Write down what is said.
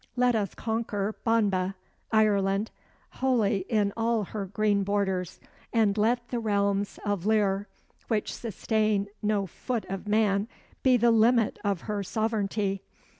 Let us conquer Banba (Ireland) wholly in all her green borders, and let the realms of Lir, which sustain no foot of man, be the limit of her sovereignty.